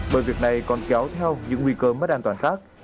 bởi việc này còn kéo theo những nguy cơ mất an toàn khác